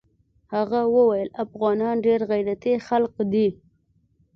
هغه ويل افغانان ډېر غيرتي خلق دي.